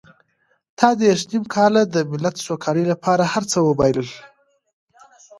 تا دېرش نيم کاله د ملت سوکالۍ لپاره هر څه وبایلل.